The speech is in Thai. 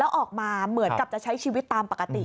แล้วออกมาเหมือนกับจะใช้ชีวิตตามปกติ